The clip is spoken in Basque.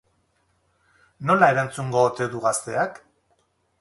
Nola erantzungo ote du gazteak?